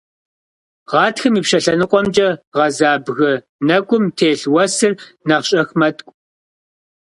Гъатхэм ипщэ лъэныкъуэмкӀэ гъэза бгы нэкӀум телъ уэсыр нэхъ щӀэх мэткӀу.